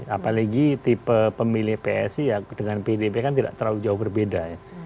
apalagi tipe pemilih psi dengan pdp kan tidak terlalu jauh berbeda